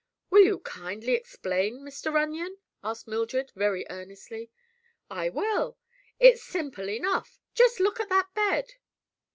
"Will you kindly explain, Mr. Runyon?" asked Mildred, very earnestly. "I will. It's simple enough. Just look at that bed."